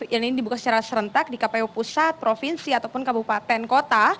yang ini dibuka secara serentak di kpu pusat provinsi ataupun kabupaten kota